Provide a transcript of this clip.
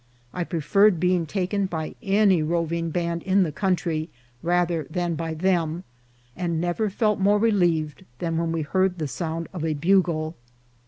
I preferred being taken by any ro ving band in the country rather than by them, and nev er felt more relieved than when we heard the sound of a bugle.